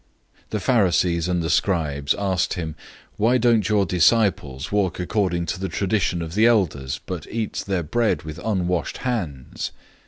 007:005 The Pharisees and the scribes asked him, "Why don't your disciples walk according to the tradition of the elders, but eat their bread with unwashed hands?"